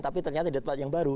tapi ternyata di tempat yang baru